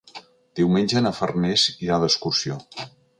Diumenge na Farners irà d'excursió.